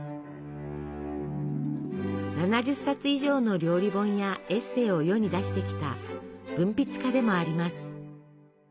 ７０冊以上の料理本やエッセイを世に出してきた文筆家でもあります。